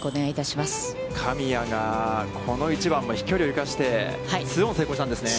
神谷が、この１番も飛距離を生かしてツーオンに成功したんですね。